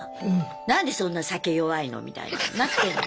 何でそんな酒弱いのみたいになってんの。